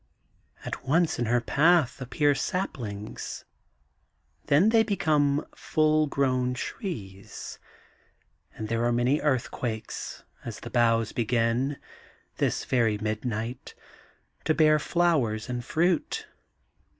'* At once in her path appear saplings, then they become full grown trees. And there are many earthquakes, as the boughs begin, this very midnight, to bear flowers and fruit.